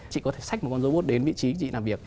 chị có thể sách một con robot đến vị trí chị làm việc